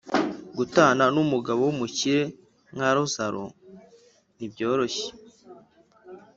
Gutana n’Umugabo w’umukire nka Lazaro ntibyoroshye